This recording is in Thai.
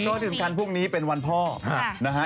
แล้วก็สำคัญพรุ่งนี้เป็นวันพ่อนะฮะ